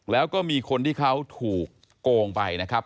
แล้วก็มีคนที่เขาถูกโกงไปนะครับ